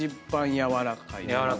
やわらかい。